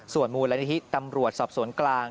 ส่วนมูลนิธิตำรวจสอบสวนกลาง